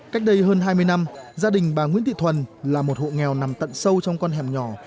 cách đây hơn hai mươi năm gia đình bà nguyễn thị thuần là một hộ nghèo nằm tận sâu trong con hẻm nhỏ